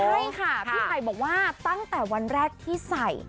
ใช่ค่ะพี่ไผ่บอกว่าตั้งแต่วันแรกที่ใส่